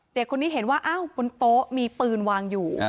เด็กคนนี้เห็นว่าอ้าวบนโต๊ะมีปืนวางอยู่